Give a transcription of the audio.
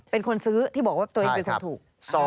เป็นคนซื้อที่บอกว่าตัวเองเป็นคนถูก